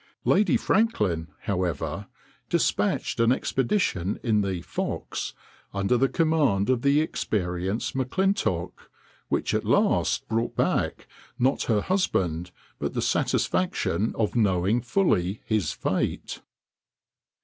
Lady Franklin, however, despatched an expedition in the Fox, under the command of the experienced M'Clintock, which at last brought back, not her husband, but the satisfaction of knowing fully his fate.